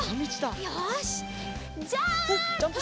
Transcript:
よしジャンプ！